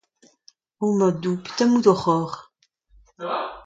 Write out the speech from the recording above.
Oh ma Doue! Petra emaout oc'h ober?